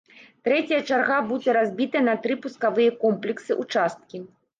Трэцяя чарга будзе разбітая на тры пускавыя комплексы-ўчасткі.